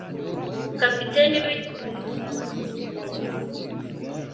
kapiteni wikipe yayoboye abakinnyi mukibuga.